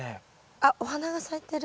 あっお花が咲いてる。